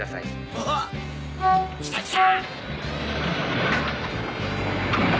おっ来た来た！